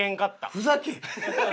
ふざけえ！